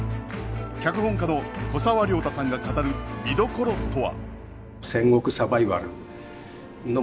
脚本家の古沢良太さんが語る見どころとは？